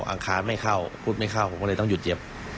อังคารไม่เข้าพุทธไม่เข้าผมก็เลยต้องหยุดเย็บ